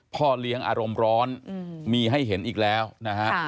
พ่อเลี้ยงอารมณ์ร้อนมีให้เห็นอีกแล้วนะฮะ